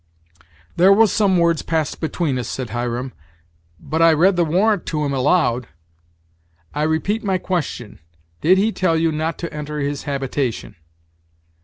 "There was some words passed between us," said Hiram, "but I read the warrant to him aloud." "I repeat my question; did he tell you not to enter his habitation?"